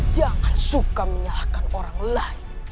jangan suka menyalahkan orang lain